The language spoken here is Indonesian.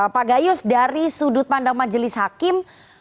pak gayus dari sudut pandang majelis hakim